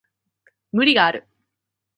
無理がある